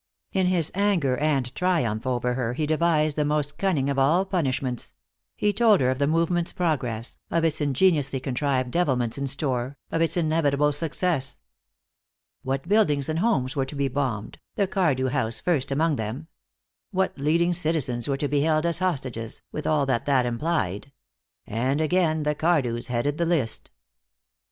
In his anger and triumph over her he devised the most cunning of all punishments; he told her of the movement's progress, of its ingeniously contrived devilments in store, of its inevitable success. What buildings and homes were to be bombed, the Cardew house first among them; what leading citizens were to be held as hostages, with all that that implied; and again the Cardews headed the list.